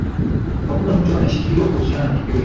hakuna mtu anayeshikiliwa kuhusiana na tukio hilo